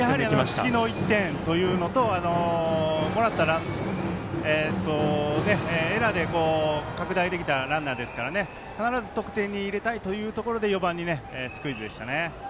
やはり次の１点というのとエラーで拡大できたランナーですから必ず得点に入れたいというところで４番にスクイズでしたね。